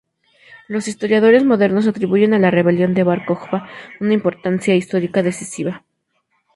Los historiadores modernos atribuyen a la rebelión de Bar Kojba una importancia histórica decisiva.